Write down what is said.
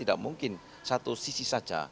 tidak mungkin satu sisi saja